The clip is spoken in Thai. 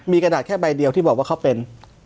มีกระดาษแค่ใบเดียวที่บอกว่าเขาเป็น